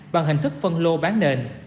bằng hình thức phân lô bán nền